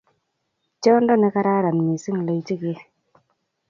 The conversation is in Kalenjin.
Tyondo ne kararan mising loitike